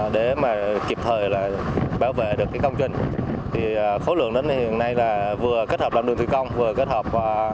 để ngăn chặn khẩn cấp xử lý khẩn cấp